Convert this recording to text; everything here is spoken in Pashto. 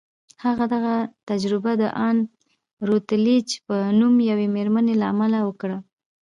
هغه دغه تجربه د ان روتليج په نوم يوې مېرمنې له امله وکړه.